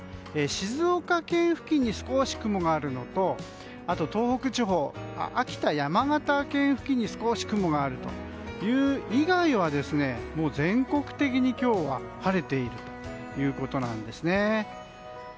静岡県付近に少し雲があるのとあと、東北地方秋田、山形県付近に少し雲がある以外は全国的に今日は晴れているということなんですね。